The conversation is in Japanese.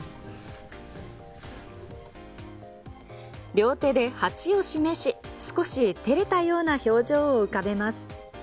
両手で８を示し少し照れたような表情を浮かべます。